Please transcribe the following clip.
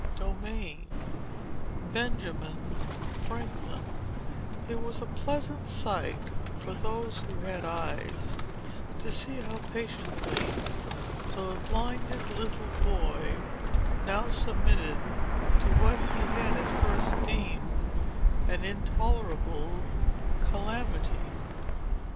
Chapter VII It was a pleasant sight (for those who had eyes) to see how patiently the blinded little boy now submitted to what he had at first deemed an intolerable calamity.